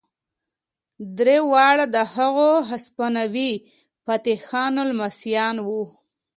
درې واړه د هغو هسپانوي فاتحانو لمسیان وو.